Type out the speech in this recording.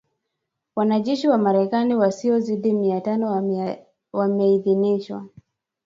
Wanajeshi wa Marekani wasiozidi mia tano wameidhinishwa